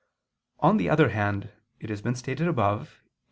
On the other hand, it has been stated above (Q.